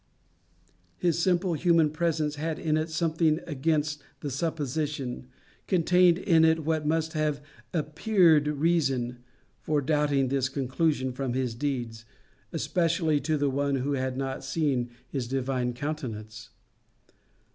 His simple human presence had in it something against the supposition contained in it what must have appeared reason for doubting this conclusion from his deeds, especially to one who had not seen his divine countenance.